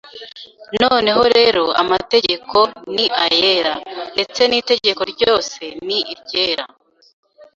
Noneho rero amategeko ni ayera, ndetse n’itegeko ryose ni iryera,